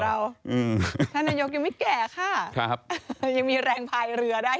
ท่านนายกยังไม่แก่ค่ะครับยังมีแรงพายเรือได้